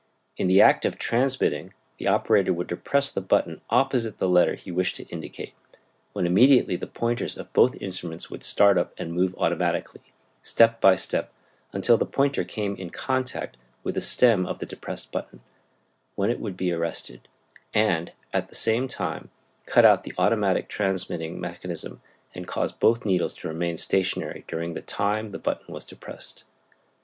In the act of transmitting the operator would depress the button opposite the letter he wished to indicate, when immediately the pointers of both instruments would start up and move automatically, step by step, until the pointer came in contact with the stem of the depressed button, when it would be arrested, and at the same time cut out the automatic transmitting mechanism and cause both needles to remain stationary during the time the button was depressed.